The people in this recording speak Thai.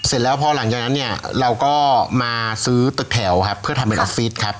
เสร็จแล้วพอหลังจากนั้นเนี่ยเราก็มาซื้อตึกแถวครับเพื่อทำเป็นออฟฟิศครับ